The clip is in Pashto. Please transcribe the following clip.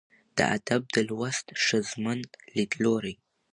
'د ادب د لوست ښځمن ليدلورى